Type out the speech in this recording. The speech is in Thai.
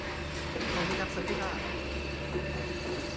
ธงพิทักษ์สันติราษฎร์